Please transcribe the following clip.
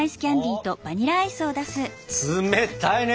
冷たいね！